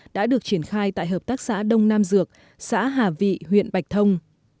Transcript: đã được triển khai tại hợp tác xã đông nam dược xã hà vị huyện bạch thông